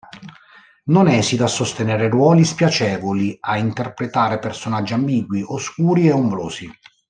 Non esita a sostenere ruoli spiacevoli, a interpretare personaggi ambigui, oscuri e ombrosi.